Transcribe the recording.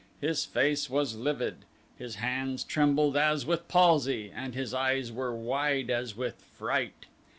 His face was livid; his hands trembled as with palsy, and his eyes were wide as with fright.